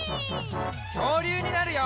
きょうりゅうになるよ！